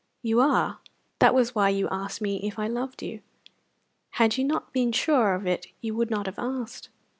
"You are. That was why you asked me if I loved you. Had you not been sure of it you would not have asked."